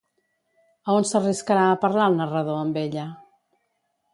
A on s'arriscarà a parlar el narrador amb ella?